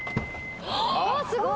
「すごい！」